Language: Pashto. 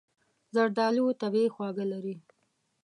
زردالو طبیعي خواږه لري.